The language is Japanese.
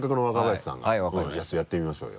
ちょっとやってみましょうよ。